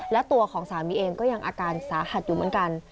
และตัวของสามีเองก็ยังอาการสาหัสอยู่เหมือนกัน